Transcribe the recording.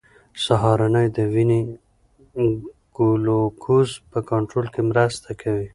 سهارنۍ د وینې ګلوکوز په کنټرول کې مرسته کوي.